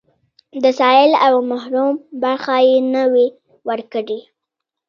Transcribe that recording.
د سايل او محروم برخه يې نه وي ورکړې.